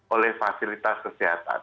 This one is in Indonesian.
oleh fasilitas kesehatan